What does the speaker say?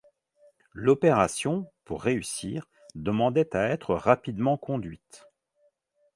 L’opération, pour réussir, demandait à être rapidement conduite.